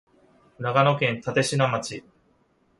長野県立科町